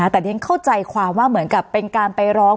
แต่เรียนเข้าใจความว่าเหมือนกับเป็นการไปร้อง